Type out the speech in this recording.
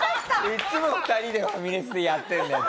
いつも２人でファミレスでやってんだよ。